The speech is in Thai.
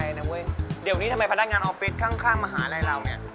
เว้ยเดี๋ยวนี้ทำไมพนักงานออฟฟิศข้างมหาลัยเราเนี่ย